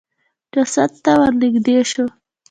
جسد د ته ورنېږدې شو.